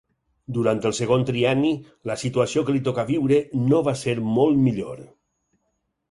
Durant el segon trienni, la situació que li tocà viure no va ser molt millor.